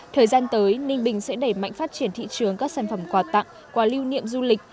thời gian tới ninh bình sẽ đẩy mạnh phát triển thị trường các sản phẩm quà tặng quà lưu niệm du lịch